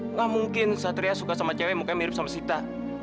nggak mungkin satria suka sama cewek mungkin mirip sama sita